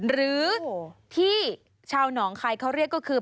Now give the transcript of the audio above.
หรือที่ชาวหนองคายเขาเรียกก็คือ